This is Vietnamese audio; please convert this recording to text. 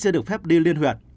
chưa được phép đi liên huyện